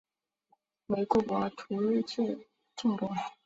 惟故博徒日至纵博。